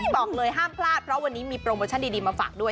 บอกเลยห้ามพลาดเพราะวันนี้มีโปรโมชั่นดีมาฝากด้วย